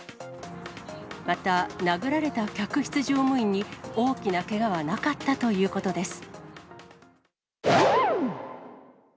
また、殴られた客室乗務員に大きなけがはなかったということです。